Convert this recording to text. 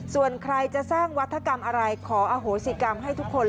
ส่วนใครจะสร้างวัฒกรรมอะไรขออโหสิกรรมให้ทุกคน